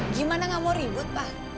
gimana gak mau ribut pak